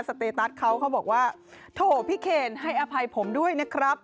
สเตตัสเขาเขาบอกว่าโถ่พี่เคนให้อภัยผมด้วยนะครับ